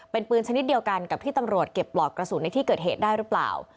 เป็นปืนชนิดเดียวกันกับที่ตำรวจเก็บปลอกกระสุนในที่เกิดเหตุได้หรือเปล่า